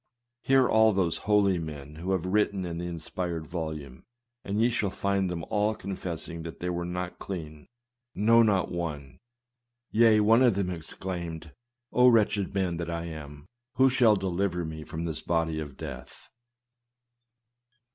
Hear all those holy men who have written in the inspired volume, and ye shall find them all confessing that they were not clean, no, not one ; yea, one of them exclaimed, " O wretched man that I am ; who shall deliver me from the body of this death